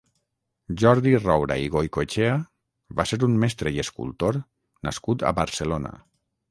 Jordi Roura i Goicoechea va ser un mestre i escultor nascut a Barcelona.